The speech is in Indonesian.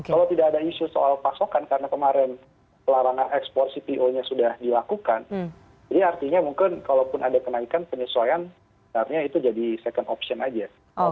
kalau tidak ada isu soal pasokan karena kemarin larangan ekspor cpo nya sudah dilakukan ini artinya mungkin kalaupun ada kenaikan penyesuaian itu jadi second option aja